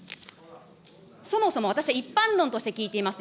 そもそも私は一般論として聞いています。